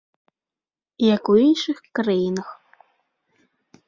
Як у іншых краінах.